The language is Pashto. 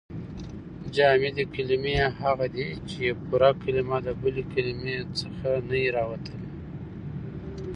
جامدي کلیمې هغه دي، چي یوه کلیمه د بلي کلیمې څخه نه يي راوتلي.